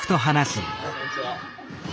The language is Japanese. こんにちは。